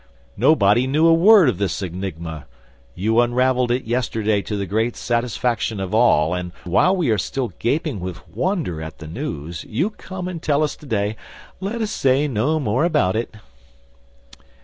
Nobody knew a word of this enigma. You unraveled it yesterday to the great satisfaction of all; and while we are still gaping with wonder at the news, you come and tell us today, 'Let us say no more about it.